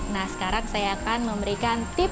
nah sekarang saya akan memberikan tips